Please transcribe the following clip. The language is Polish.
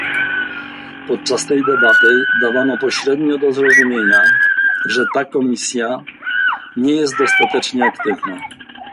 Podczas tej debaty dawano pośrednio do zrozumienia, że Komisja nie jest dostatecznie aktywna